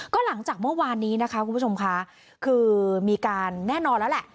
ก็หลังจากเมื่อวานนี้นะคะคุณผู้ชมค่ะคือมีการแน่นอนแล้วแหละ